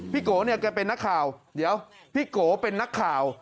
โกเนี่ยแกเป็นนักข่าวเดี๋ยวพี่โกเป็นนักข่าว